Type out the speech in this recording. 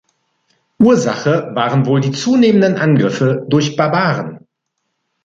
Ursache waren wohl die zunehmenden Angriffe durch Barbaren.